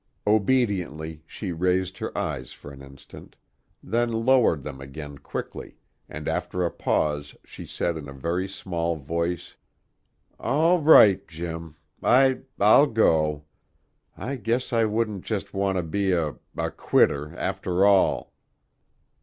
Obediently she raised her eyes for an instant; then lowered them again quickly, and after a pause she said in a very small voice: "All right, Jim. I I'll go. I guess I wouldn't just want to be a a quitter, after all."